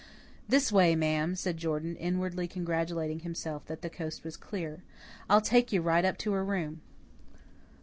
"This way, ma'am," said Jordan, inwardly congratulating himself that the coast was clear. "I'll take you right up to her room."